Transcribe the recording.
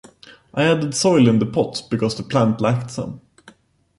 I added soil in the pot because the plant lacked some.